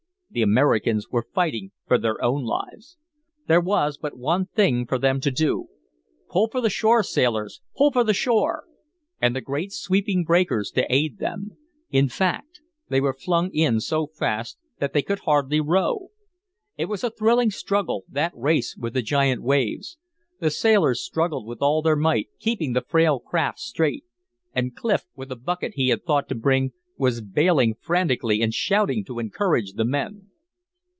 The Americans were fighting for their own lives. There was but one thing for them to do "Pull for the shore, sailors, pull for the shore." And the great sweeping breakers to aid them. In fact they were flung in so fast that they could hardly row. It was a thrilling struggle, that race with the giant waves. The sailors struggled with all their might, keeping the frail craft straight. And Clif, with a bucket he had thought to bring, was bailing frantically, and shouting to encourage the men.